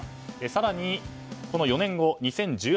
更にこの４年後２０１８年。